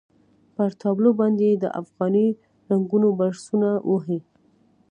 پر تابلو باندې یې د افغاني رنګونو برسونه وهي.